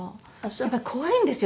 やっぱり怖いんですよ